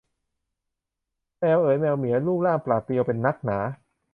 แมวเอ๋ยแมวเหมียว รูปร่างปราดเปรียวเป็นนักหนา